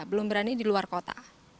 belum berani di luar kota